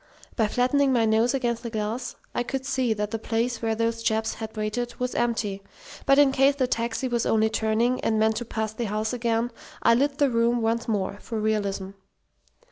By flattening my nose against the glass I could see that the place where those chaps had waited was empty; but in case the taxi was only turning, and meant to pass the house again, I lit the room once more, for realism.